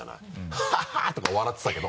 「ハハハ！」とか笑ってたけど。